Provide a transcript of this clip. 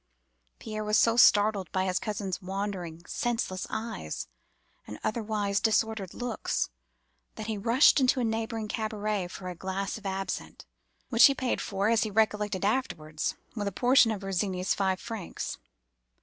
Pierre was so startled by his cousin's wandering, senseless eyes, and otherwise disordered looks, that he rushed into a neighbouring cabaret for a glass of absinthe, which he paid for, as he recollected afterwards, with a portion of Virginie's five francs.